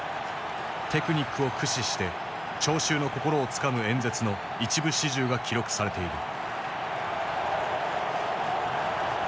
テクニックを駆使して聴衆の心をつかむ演説の一部始終が記録されている。